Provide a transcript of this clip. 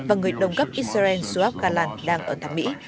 và người đồng cấp israel suhaib galan đang ở tháp mỹ